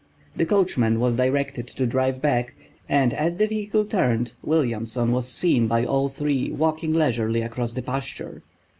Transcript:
The coachman was directed to drive back, and as the vehicle turned Williamson was seen by all three, walking leisurely across the pasture.